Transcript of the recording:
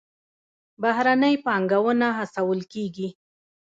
بهرنۍ پانګونه هڅول کیږي